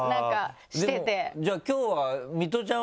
じゃあ今日は「ミトちゃんはどう思う？」